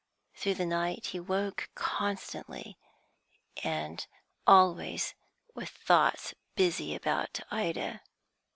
Through the night he woke constantly, and always with thoughts busy about Ida.